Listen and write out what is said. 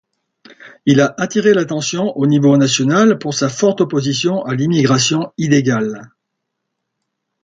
Il a attiré l'attention au niveau national pour sa forte opposition à l'immigration illégale.